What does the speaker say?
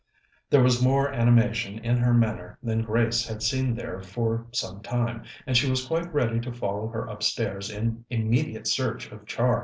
There was more animation in her manner than Grace had seen there for some time, and she was quite ready to follow her upstairs in immediate search of Char.